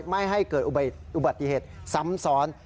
ไม่ให้เกิดอุบัติเหตุซ้ำซ้อน